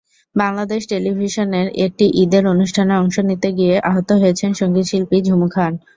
বাংলাদেশ টেলিভিশনের একটি ঈদের অনুষ্ঠানে অংশ নিতে গিয়ে আহত হয়েছেন সংগীতশিল্পী ঝুমু খান।